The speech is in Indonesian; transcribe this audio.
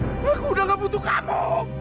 aku sudah tidak butuh kamu